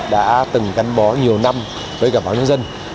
đã từng gắn bó nhiều năm với cả báo nhân dân